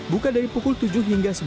buka dari pukul tujuh hingga sembilan